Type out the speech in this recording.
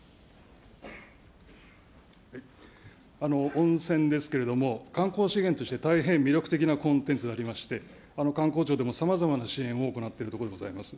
温泉ですけれども、観光資源として大変魅力的なコンテンツでありまして、観光庁でもさまざまな支援を行っているところでございます。